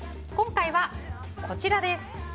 今回は、こちらです。